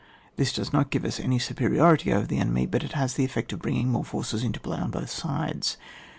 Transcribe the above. This does not give us any superiority over the enemy, but it has the effect of bringing more forces into play on both sides.